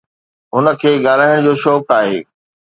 هن کي ڳالهائڻ جو شوق آهي.